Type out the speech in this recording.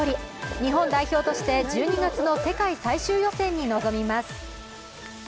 日本代表として１２月の世界最終予選に臨みます。